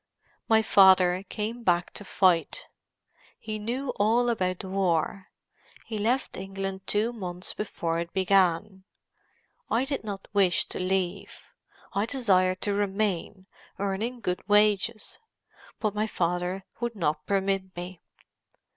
"My father came back to fight. He knew all about the war; he left England two months before it began. I did not wish to leave. I desired to remain, earning good wages. But my father would not permit me."